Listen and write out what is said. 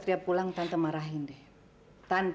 dipaksa sama judit pak